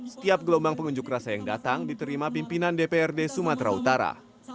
setiap gelombang pengunjuk rasa yang datang diterima pimpinan dprd sumatera utara